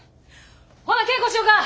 ほな稽古しよか！